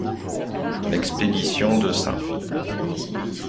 L'expédition de St.